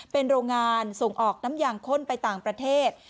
เป็นโรงงานส่งออกน้ำยางข้นไปต่างประเทศ